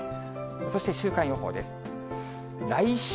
そして週間予報です。